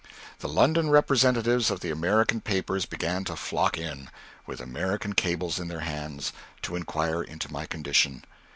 The London representatives of the American papers began to flock in, with American cables in their hands, to inquire into my condition.